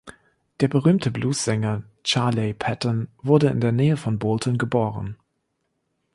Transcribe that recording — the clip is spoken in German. Der berühmte Bluessänger Charley Patton wurde in der Nähe von Bolton geboren.